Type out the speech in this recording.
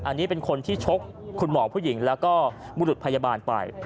อันนี้เป็นคนที่ชกคุณหมอผู้หญิงแล้วก็บุรุษพยาบาลไป